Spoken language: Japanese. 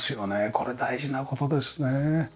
これ大事な事ですね。